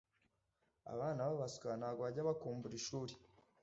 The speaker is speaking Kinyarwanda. abana babaswa ntago bajya bakumbura ishuri